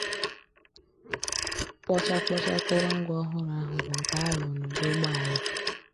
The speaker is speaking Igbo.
Kpọchakpọcha akụrụngwa ọhụrụ ahụ bụ nke a rụrụ n'ụdị ụgbọala